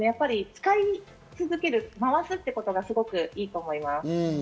使い続ける、回すということがすごくいいと思います。